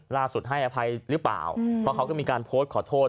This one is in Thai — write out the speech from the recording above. ให้อภัยหรือเปล่าเพราะเขาก็มีการโพสต์ขอโทษ